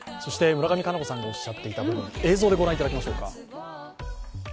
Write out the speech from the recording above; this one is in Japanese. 村上佳菜子さんがおっしゃっていたこと、映像で御覧いただきましょうか。